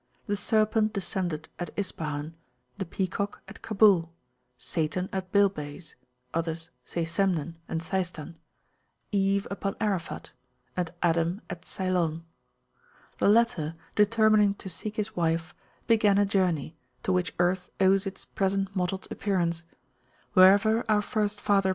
The serpent descended at Ispahan, the peacock at Kabul, Satan at Bilbays (others say Semnan and Seistan), Eve upon Arafat, and Adam at Ceylon. The latter, determining to seek his wife, began a journey, to which earth owes its present mottled appearance. Wherever our first father [p.